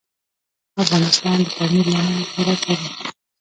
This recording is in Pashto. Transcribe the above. افغانستان د پامیر له امله شهرت لري.